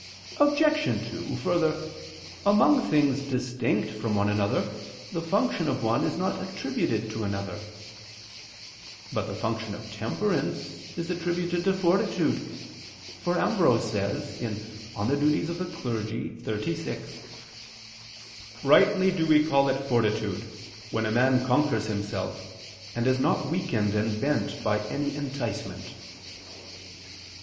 Obj. 2: Further, among things distinct from one another the function of one is not attributed to another. But the function of temperance is attributed to fortitude: for Ambrose says (De Offic. xxxvi): "Rightly do we call it fortitude, when a man conquers himself, and is not weakened and bent by any enticement."